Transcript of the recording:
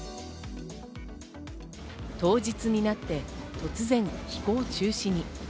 当日になって突然飛行中止に。